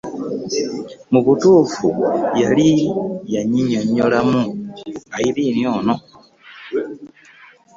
Mu butuufu yali yannyinyonnyolamu ku Irene ono.